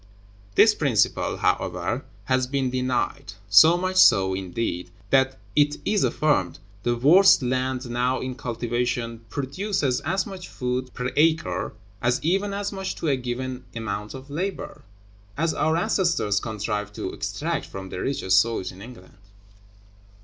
This principle, however, has been denied. So much so, indeed, that (it is affirmed) the worst land now in cultivation produces as much food per acre, and even as much to a given amount of labor, as our ancestors contrived to extract from the richest soils in England.